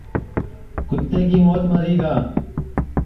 کُتے کی موت مری گا